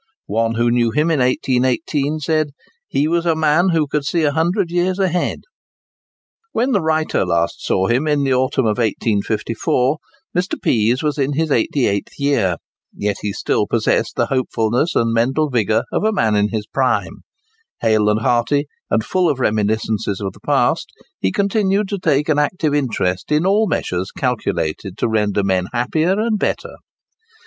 One who knew him in 1818 said, "he was a man who could see a hundred years ahead." [Picture: Edward Pease] When the writer last saw him, in the autumn of 1854, Mr. Pease was in his eighty eighth year; yet he still possessed the hopefulness and mental vigour of a man in his prime. Hale and hearty, and full of reminiscences of the past, he continued to take an active interest in all measures calculated to render men happier and better.